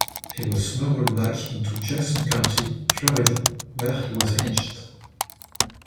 He was smuggled back into Jackson County, Florida, where he was lynched.